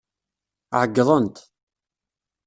Ɛeyḍent.